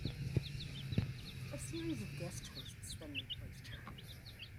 A series of guest hosts then replaced her.